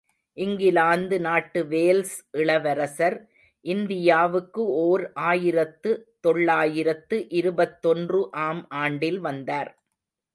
இங்கிலாந்து நாட்டு வேல்ஸ் இளவரசர் இந்தியாவுக்கு ஓர் ஆயிரத்து தொள்ளாயிரத்து இருபத்தொன்று ஆம் ஆண்டில் வந்தார்.